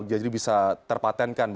jadi bisa terpatentkan